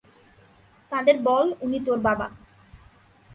তাদের বল উনি তোর বাবা।